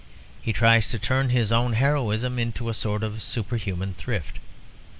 He tries to turn his own heroism into a sort of superhuman thrift.